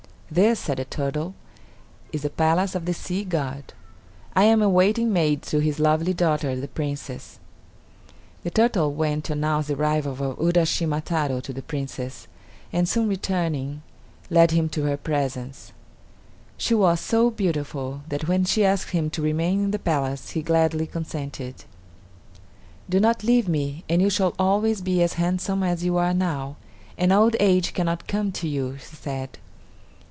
"This," said the turtle, "is the palace of the sea god. I am a waiting maid to his lovely daughter, the Princess." The turtle went to announce the arrival of Uraschima Taro to the Princess, and soon returning, led him to her presence. She was so beautiful that when she asked him to remain in the palace he gladly consented. "Do not leave me, and you shall always be as handsome as you are now, and old age cannot come to you," she said.